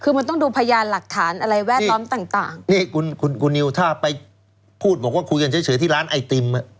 คือมันต้องดูพยานหลักฐานอะไรแวดล้อมต่างต่างนี่คุณคุณนิวถ้าไปพูดบอกว่าคุยกันเฉยที่ร้านไอติมอ่ะ